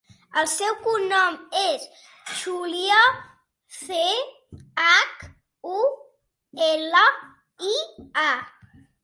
El seu cognom és Chulia: ce, hac, u, ela, i, a.